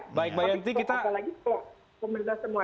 tapi apalagi kok pemerintah semua